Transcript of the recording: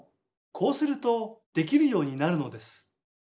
こうするとできるようになるのです。